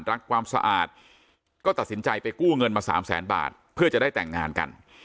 รักความสะอาดก็ตัดสินใจไปกู้เงินมาสามแสนบาทเพื่อจะได้แต่งงานกัน